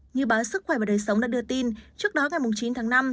như báo sức khỏe và đời sống đã đưa tin trước đó ngày chín tháng năm